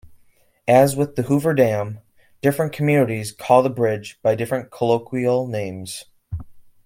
As with the Hoover Dam, different communities call the bridge by different colloquial names.